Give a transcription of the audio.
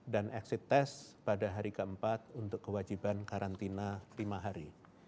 dan exit test pada hari keempat untuk kewajiban karantina lima hari